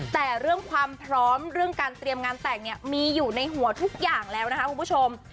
แต่เรื่องความพร้อมเรื่องการเตรียมงานแต่งเนี่ยมีอยู่ในหัวทุกอย่างแล้วนะคะคุณผู้ชม